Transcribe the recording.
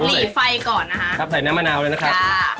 มันเป็นสูตรของร้านเราอะครับ